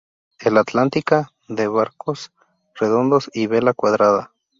El atlántica, de barcos redondos y vela cuadrada.